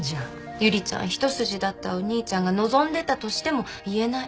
ゆりちゃん一筋だったお兄ちゃんが望んでたとしても言えない。